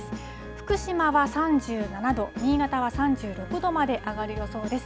福島は３７度、新潟は３６度まで上がる予想です。